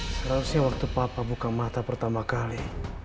seharusnya waktu papa buka mata pertama kali